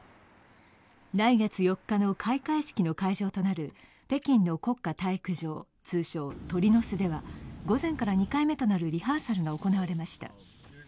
来月４日の開会式の会場となる北京の国家体育場、通称・鳥の巣では午前から２回目となるリハーサルが行われました。